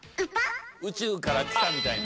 宇宙から来たみたいな。